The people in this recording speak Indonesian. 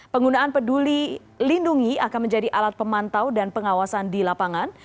penggunaan peduli lindungi akan menjadi alat pemantau dan pengawasan di lapangan